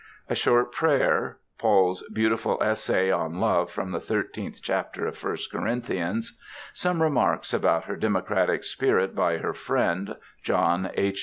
A short prayer, Paul's beautiful essay on "Love" from the Thirteenth Chapter of First Corinthians, some remarks about her democratic spirit by her friend, John H.